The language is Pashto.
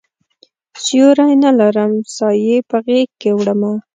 سیوری نه لرم سایې په غیږکې وړمه